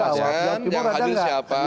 yang hadir siapa